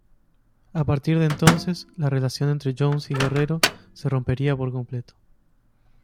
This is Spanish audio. A partir de entonces la relación entre Jones y Guerrero se rompería por completo.